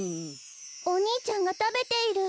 おにいちゃんがたべている。